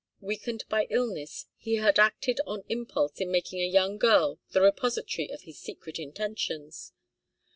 Weakened by illness, he had acted on impulse in making a young girl the repository of his secret intentions.